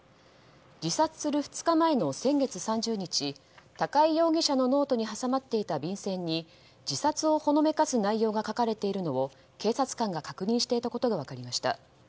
自殺する２日前の先月３０日高井容疑者のノートに挟まっていた便せんに自殺をほのめかす内容が書かれているのを警察官が確認していたことが分かりました。